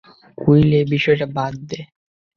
Will, এ বিষয়টা বাদ দে।